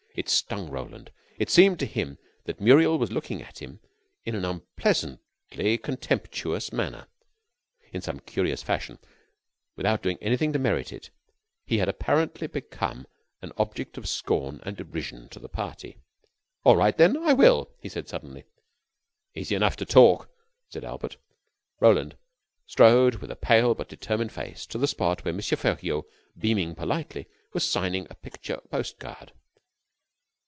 It stung Roland. It seemed to him that Muriel was looking at him in an unpleasantly contemptuous manner. In some curious fashion, without doing anything to merit it, he had apparently become an object of scorn and derision to the party. "All right, then, I will," he said suddenly. "Easy enough to talk," said Albert. Roland strode with a pale but determined face to the spot where M. Feriaud, beaming politely, was signing a picture post card.